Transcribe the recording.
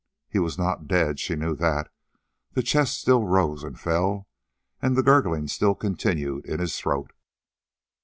He was not dead. She knew that, the chest still rose and fell, and the gurgling still continued in his throat.